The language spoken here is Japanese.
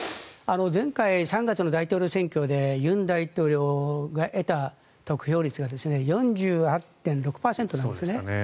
前回３月の大統領選挙で尹大統領が得た得票率が４８．６％なんですね。